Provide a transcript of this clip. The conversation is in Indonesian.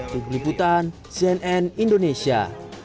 dikliputan cnn indonesia